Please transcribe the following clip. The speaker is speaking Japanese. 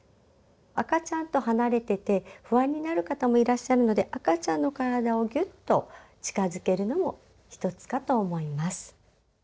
赤ちゃんと離れてて不安になる方もいらっしゃるので赤ちゃんの体をぎゅっと近づけるのも一つかと思います。